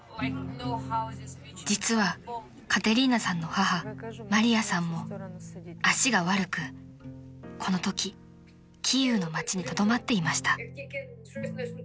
［実はカテリーナさんの母マリヤさんも足が悪くこのときキーウの町にとどまっていました］